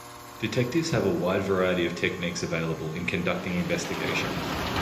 Detectives have a wide variety of techniques available in conducting investigations.